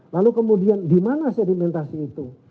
lalu kemudian di mana sedimentasi itu